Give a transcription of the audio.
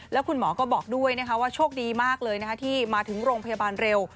แล้วคุณหมอก็บอกด้วยนะคะว่าโชคดีมากเลยที่มาถึงโรงพยาบาลเร็ว